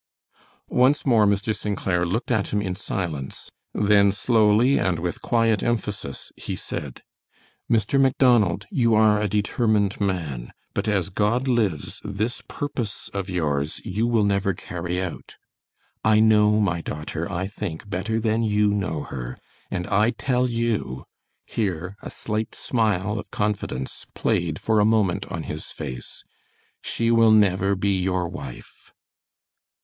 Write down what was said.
Once more Mr. St. Clair looked at him in silence. Then slowly and with quiet emphasis, he said: "Mr. Macdonald, you are a determined man, but as God lives, this purpose of yours you will never carry out. I know my daughter, I think, better than you know her, and I tell you," here a slight smile of confidence played for a moment on his face, "she will never be your wife."